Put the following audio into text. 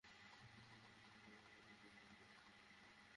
বিয়ের তিনটি অনুষ্ঠানের বুকিং দিয়ে এখন পাবেন বিনা মূল্যে মধুচন্দ্রিমার সুযোগ।